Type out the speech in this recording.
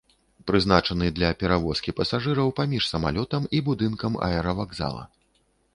Прызначаны для перавозкі пасажыраў паміж самалётам і будынкам аэравакзала.